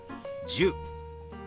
１０。